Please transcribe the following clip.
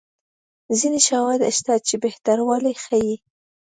ځیني شواهد شته چې بهتروالی ښيي.